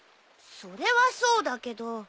それはそうだけど。